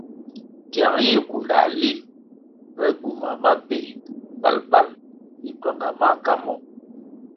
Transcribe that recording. Tiang yih kundãh li pe gywumah mabéh babal bituanga maka mo.